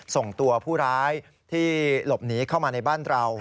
ส่งตัวผู้ร้ายที่หลบหนีเข้ามาในบ้านเรา